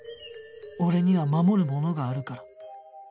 俺には守るものがあるから